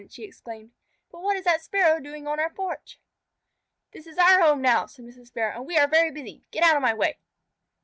she exclaimed. "But what is that Sparrow doing on our porch?" "This is our home now," said Mrs. Sparrow, "and we are very busy. Get out of my way."